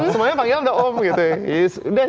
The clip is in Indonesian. semuanya panggil udah om gitu ya